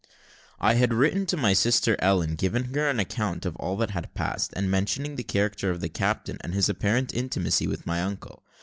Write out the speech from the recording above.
I had written to my sister Ellen, giving her an account of all that had passed, and mentioning the character of the captain, and his apparent intimacy with my uncle.